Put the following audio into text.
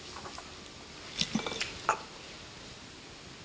あっ！